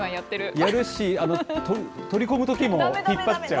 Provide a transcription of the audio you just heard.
やるし、取り込むときも引っ張っちゃう。